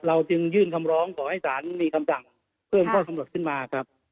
จึงยื่นคำร้องขอให้ศาลมีคำสั่งเพิ่มข้อกำหนดขึ้นมาครับ